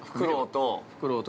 ◆フクロウと。